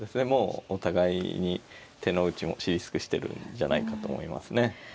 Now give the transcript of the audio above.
もうお互いに手の内も知り尽くしてるんじゃないかと思いますね。